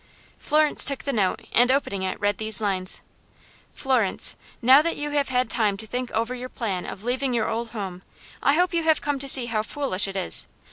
Florence took the note, and, opening it, read these lines: "Florence: Now that you have had time to think over your plan of leaving your old home, I hope you have come to see how foolish it is.